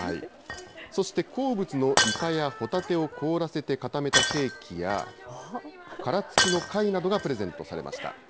そして好物のイカやホタテを凍らせて固めたケーキや、殻付きの貝などがプレゼントされました。